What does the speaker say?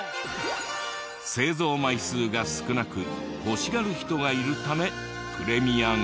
製造枚数が少なく欲しがる人がいるためプレミアが。